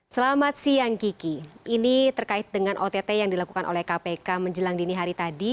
selamat siang kiki ini terkait dengan ott yang dilakukan oleh kpk menjelang dini hari tadi